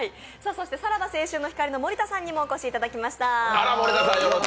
そしてさらば青春の光の森田さんにもお越しいただきました。